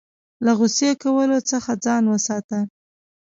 له غوسې کولو څخه ځان وساته .